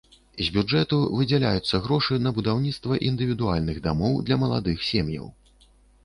З бюджэту выдзяляюцца грошы на будаўніцтва індывідуальных дамоў для маладых сем'яў.